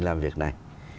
làm việc này